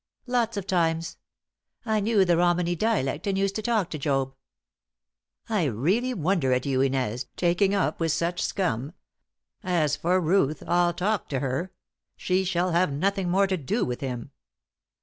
"Lots of times. I knew the Romany dialect, and used to talk to Job." "I realty wonder at you, Inez, taking up with such scum! As for Ruth, I'll talk to her! She shall have nothing more to do with him."